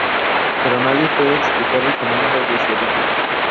Pero nadie puede explicar el fenómeno de su origen.